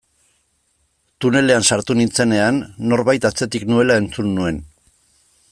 Tunelean sartu nintzenean norbait atzetik nuela entzun nuen.